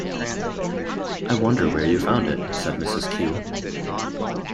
"I wonder where you found it," said Mrs. Q.